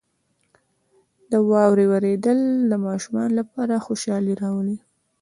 • د واورې اورېدل د ماشومانو لپاره خوشحالي راولي.